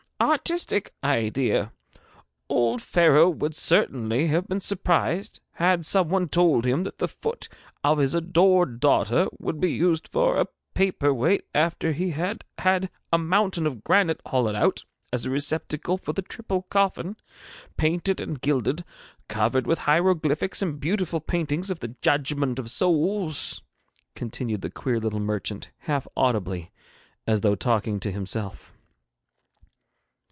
artistic idea! Old Pharaoh would certainly have been surprised had some one told him that the foot of his adored daughter would be used for a paper weight after he had had a mountain of granite hollowed out as a receptacle for the triple coffin, painted and gilded, covered with hieroglyphics and beautiful paintings of the Judgment of Souls,' continued the queer little merchant, half audibly, as though talking to himself.